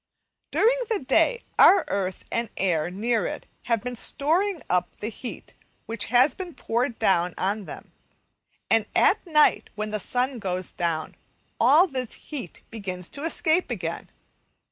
During the day our earth and the air near it have been storing up the heat which has been poured down on them, and at night, when the sun goes down, all this heat begins to escape again.